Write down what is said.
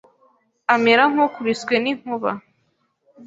amera nk'ukubiswe n'inkuba